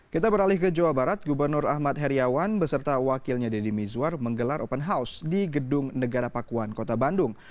kita beralih ke jawa barat gubernur ahmad heriawan beserta wakilnya deddy mizwar menggelar open house di gedung negara pakuan kota bandung